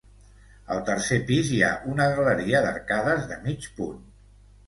Al tercer pis hi ha una galeria d'arcades de mig punt.